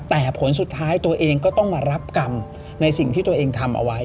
แต่ผลสุดท้ายตัวเองก็ต้องมารับกรรมในสิ่งที่ตัวเองทำเอาไว้